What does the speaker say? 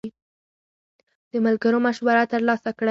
د ملګرو مشوره ترلاسه کړئ.